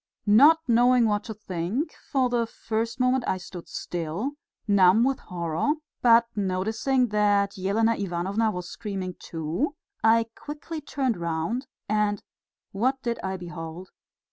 Not knowing what to think, for the first moment I stood still, numb with horror, but noticing that Elena Ivanovna was screaming too, I quickly turned round and what did I behold!